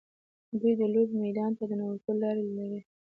دوی د لوبې میدان ته د ننوتلو لارې لري.